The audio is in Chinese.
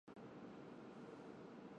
致赠精美小礼物